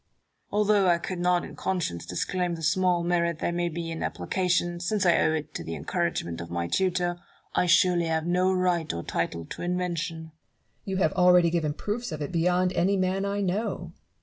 Although I could not in conscience disclaim the small merit there may be in application, since I owe it to the encouragement of my tutor, I surely have no right or title to invention. Barrow. You have already given proofs of it beyond any man I know.